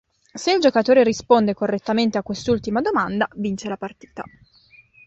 Se il giocatore risponde correttamente a quest'ultima domanda vince la partita.